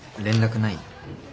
連絡ない？